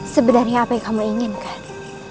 sebenarnya apa yang kamu inginkan